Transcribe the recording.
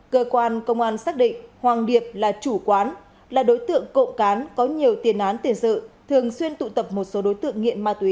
cơ quan công an xác định hoàng điệp là chủ quán là đối tượng cộng cán có nhiều tiền án tiền sự thường xuyên tụ tập một số đối tượng nghiện ma túy